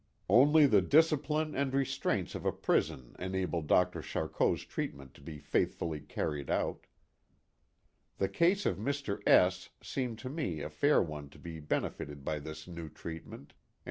Only the discipline and restraints of a prison enabled Dr. Charcot's treatment to be faithfully carried out. The case of Mr. S seemed to me a fair one to be benefited by this new treatment, and l8o THE GOOD SAMARITAN.